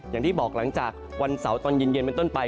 อย่างที่บอกหลังจากวันเสาร์ตอนเย็นเป็นต้นไป